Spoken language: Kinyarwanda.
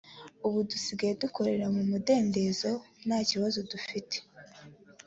ubu dusigaye dukorera mu mudendezo nta kibazo dufite